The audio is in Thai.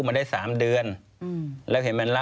ควิทยาลัยเชียร์สวัสดีครับ